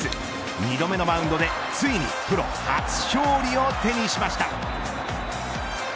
２度目のマウンドでついにプロ初勝利を手にしました。